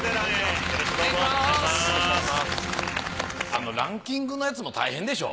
あのランキングのやつも大変でしょ？